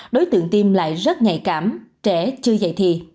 đối tượng tiêm lại rất nhạy